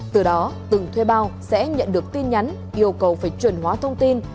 từ đó từng thuê bao sẽ nhận được tin nhắn yêu cầu phải chuẩn hóa thông tin